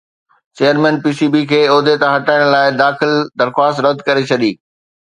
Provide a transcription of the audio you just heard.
chairman P C B کي عهدي تان هٽائڻ لاءِ داخل درخواست رد ڪري ڇڏي